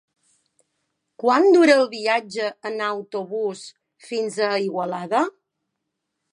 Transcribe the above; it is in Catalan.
Quant dura el viatge en autobús fins a Igualada?